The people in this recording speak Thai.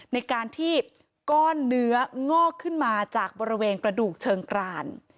ในการที่ก้อนเนื้องอกขึ้นมาจากบริเวณกระดูกเชิงกราน